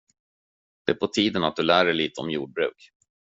Det är på tiden att du lär dig lite om jordbruk!